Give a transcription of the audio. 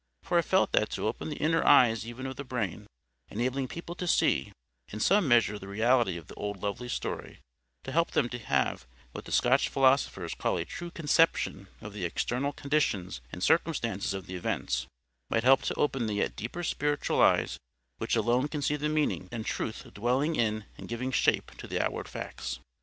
For I felt that to open the inner eyes even of the brain, enabling people to SEE in some measure the reality of the old lovely story, to help them to have what the Scotch philosophers call a true CONCEPTION of the external conditions and circumstances of the events, might help to open the yet deeper spiritual eyes which alone can see the meaning and truth dwelling in and giving shape to the outward facts.